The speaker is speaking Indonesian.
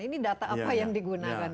ini data apa yang digunakan